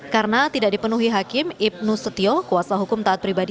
karena tidak dipenuhi hakim ibnus setio kuasa hukum taat pribadi